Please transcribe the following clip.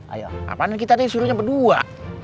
ayo apaanin kita nih suruhnya berdua